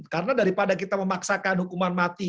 karena daripada kita memaksakan hukuman mati